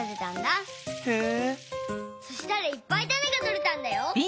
そしたらいっぱいタネがとれたんだよ。